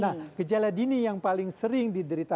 nah kejala dini yang paling sering diderikan